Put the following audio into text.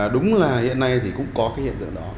đúng là hiện nay thì cũng có cái hiện tượng đó